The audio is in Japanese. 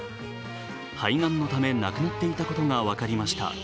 肺がんのため亡くなっていたことが分かりました。